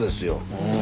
うん。